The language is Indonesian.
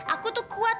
aku tuh kuat